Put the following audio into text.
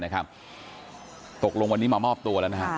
ปกติวันนี้เขามอบตัวแล้ว